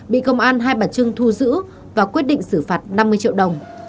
bị công an hai bà trưng thu giữ và quyết định xử phạt năm mươi triệu đồng